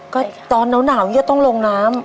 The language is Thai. ก็ตอนหนาวจะต้องลงน้ำ